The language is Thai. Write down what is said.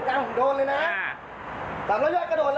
แล้วเดี๋ยวเล่าความคลิปกันก่อน